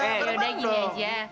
eh yaudah gini aja